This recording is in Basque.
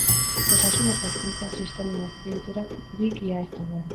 Osasun- eta hezkuntza-sistemen azpiegiturarik ia ez zegoen.